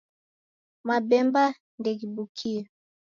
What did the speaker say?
Mabemba ndeghibukie.